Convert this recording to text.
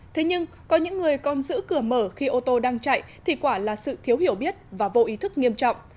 thế nhưng có những người còn giữ cửa mở khi ô tô đang chạy thì quả là sự thiếu hiểu biết và vô ý thức nghiêm trọng